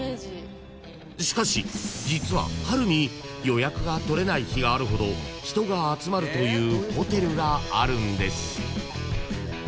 ［しかし実は春に予約が取れない日があるほど人が集まるというホテルがあるんです］